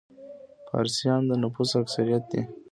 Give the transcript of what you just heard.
فارسیان د نفوس اکثریت دي.